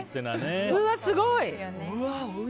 うわ、すごい！